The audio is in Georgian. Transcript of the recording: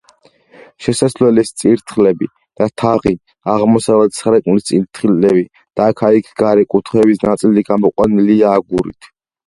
შესასვლელის წირთხლები და თაღი, აღმოსავლეთ სარკმლის წირთხლები და აქა-იქ გარე კუთხეების ნაწილი გამოყვანილია აგურით.